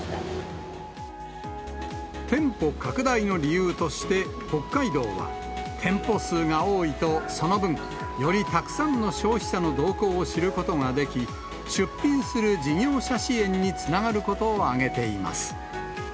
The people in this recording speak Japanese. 店舗拡大の理由として北海道は、店舗数が多いとその分、よりたくさんの消費者の動向を知ることができ、出品する事業者支援につながることを挙げています。